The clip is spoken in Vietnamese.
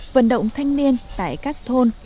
vận động thanh niên tại các thôn